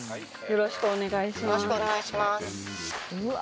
よろしくお願いします。